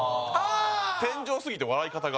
天井すぎて、笑い方が。